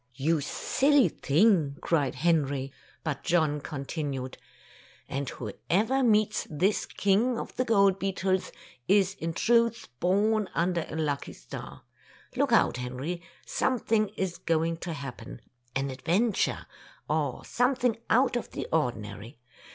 "You silly thing!" cried Henry. But John continued: "And whoever Tales of Modern Germany 41 meets this King of the Gold Beetles, is in truth born under a lucky star. Look out, Henry, something is going to happen — an adventure, or something out of the ordinary.